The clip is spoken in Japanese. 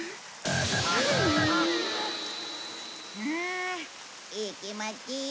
ああいい気持ち。